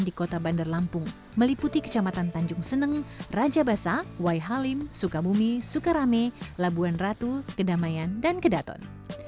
di kota bandar lampung meliputi kecamatan tanjung seneng raja basa wai halim sukabumi sukarame labuan ratu kedamaian dan kedaton